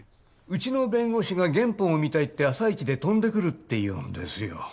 うちの弁護士が原本を見たいって朝一で飛んでくるっていうんですよ。